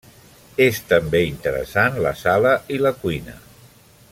És també interessant la sala i la cuina.